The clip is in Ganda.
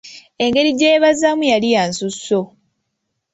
Engeri gye yeebazaamu yali ya nsusso